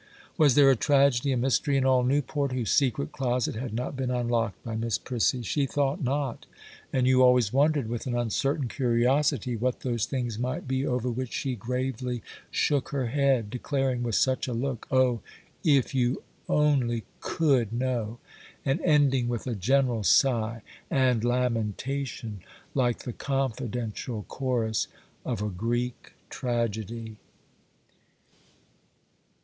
Was there a tragedy, a mystery, in all Newport, whose secret closet had not been unlocked by Miss Prissy? She thought not; and you always wondered, with an uncertain curiosity, what those things might be over which she gravely shook her head, declaring, with such a look,—'Oh, if you only could know!'—and ending with a general sigh and lamentation, like the confidential chorus of a Greek tragedy.